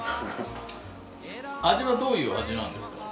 味はどういう味なんですか？